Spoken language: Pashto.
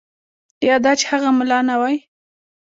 یا دا چې هغه ملا نه وای.